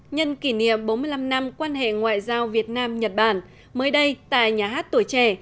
nhân kỷ niệm bốn mươi năm năm quan hệ ngoại giao việt nam nhật bản mới đây tại nhà hát tuổi trẻ